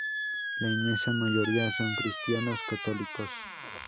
La inmensa mayoría son cristianos católicos.